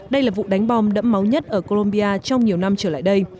đây là vụ đánh bom đẫm máu nhất ở colombia trong nhiều năm trở lại đây